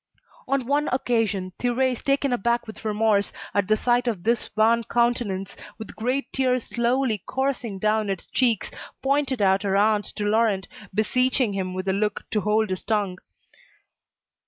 On one occasion, Thérèse, taken aback with remorse, at the sight of this wan countenance, with great tears slowly coursing down its cheeks, pointed out her aunt to Laurent, beseeching him with a look to hold his tongue.